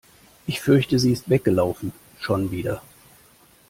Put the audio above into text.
Ich fürchte sie ist weggelaufen. Schon wieder?